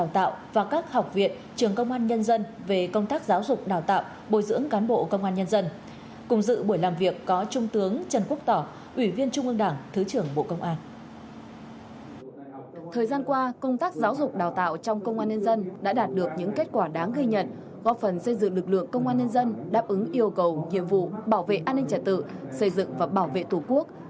thời gian qua công tác giáo dục đào tạo trong công an nhân dân đã đạt được những kết quả đáng ghi nhận góp phần xây dựng lực lượng công an nhân dân đáp ứng yêu cầu nhiệm vụ bảo vệ an ninh trẻ tự xây dựng và bảo vệ tổ quốc